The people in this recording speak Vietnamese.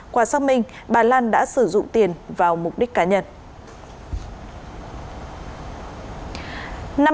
qua xác minh bà lan đã sử dụng tiền vào mục đích cá nhân